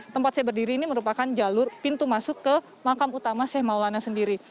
tempat saya berdiri ini merupakan jalur pintu masuk ke makam utama seh maulana sendiri